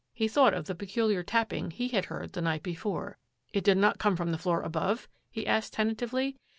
He thought of the peculiar tapping he had heard the night before. " It did not come from the floor above? " he asked tentatively.